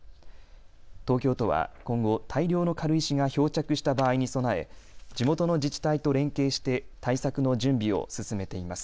東京都は今後、大量の軽石が漂着した場合に備え地元の自治体と連携して対策の準備を進めています。